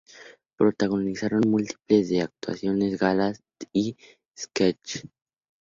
Protagonizaron múltiples de actuaciones, galas y sketchs.